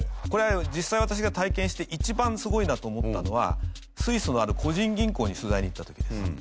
これ実際私が体験して一番すごいなと思ったのはスイスのある個人銀行に取材に行った時です。